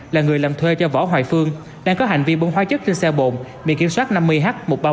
là người làm thuê cho võ hoài phương đang có hành vi bông hoa chất trên xe bộn bị kiểm soát năm mươi h một mươi ba nghìn bốn trăm hai mươi sáu